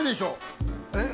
えっ？